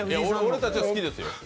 俺たちは好きですよ。